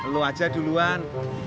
lo aja duluan